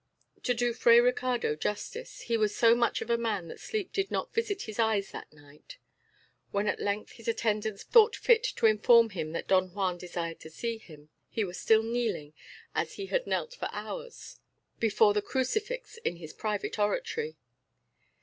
To do Fray Ricardo justice, he was so much of a man that sleep did not visit his eyes that night. When at length his attendants thought fit to inform him that Don Juan desired to see him, he was still kneeling, as he had knelt for hours, before the crucifix in his private oratory.